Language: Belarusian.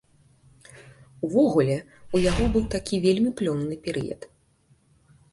Увогуле, у яго быў такі вельмі плённы перыяд.